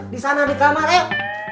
di sana di kamar eh